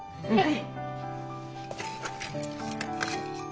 はい！